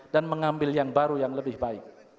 dan mengambil yang baru yang lebih baik